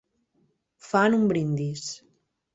Fan un brindis.